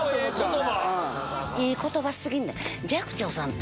いい言葉過ぎんねん。